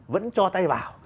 vẫn cho tay vào